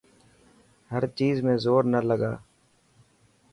هر چيز ۾ زور نا لگا.